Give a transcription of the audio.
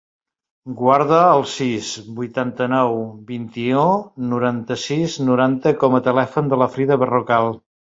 Guarda el sis, vuitanta-nou, vint-i-u, noranta-sis, noranta com a telèfon de la Frida Berrocal.